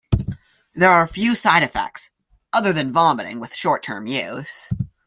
There are few side effects, other than vomiting, with short term use.